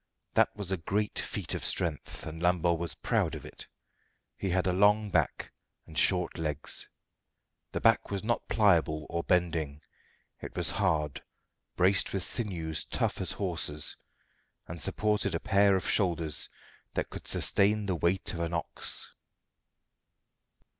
That was a great feat of strength, and Lambole was proud of it. He had a long back and short legs. The back was not pliable or bending; it was hard, braced with sinews tough as hawsers, and supported a pair of shoulders that could sustain the weight of an ox.